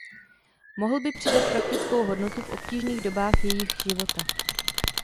Mohl by přidat praktickou hodnotu v obtížných dobách jejich života.